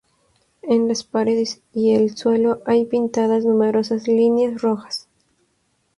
En las paredes y el suelo hay pintadas numerosas líneas rojas.